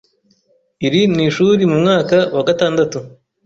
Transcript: iri n,ishuri mu mwaka wa gatandatu